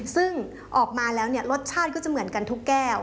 ซึ่งออกมาแล้วรสชาติก็จะเหมือนกันทุกแก้ว